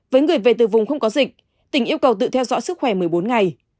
với người về từ vùng không có dịch tỉnh yêu cầu tự theo dõi sức khỏe một mươi bốn ngày